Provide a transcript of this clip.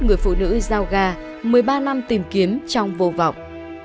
người phụ nữ giao ga một mươi ba năm tìm kiếm trong vô vọng